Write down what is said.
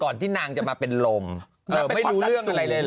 ที่นางจะมาเป็นลมไม่รู้เรื่องอะไรเลยเหรอ